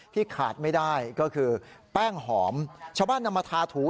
ขาดไม่ได้ก็คือแป้งหอมชาวบ้านนำมาทาถู